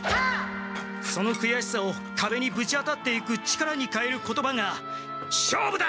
そのくやしさをかべにぶち当たっていく力にかえる言葉が「勝負だ！」